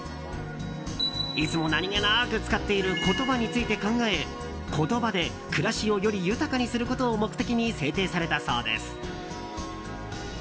いつも何気なく使っている言葉について考え言葉で暮らしをより豊かにすることを目的に制定されたそうです。